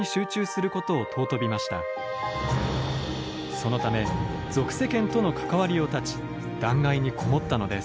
そのため俗世間との関わりを断ち断崖に籠もったのです。